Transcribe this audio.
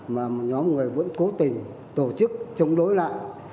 mà một nhóm người vẫn cố tình tổ chức chống đối lại